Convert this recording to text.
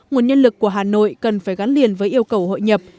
nguồn nhân lực của hà nội cần phải gắn liền với yêu cầu hội nhập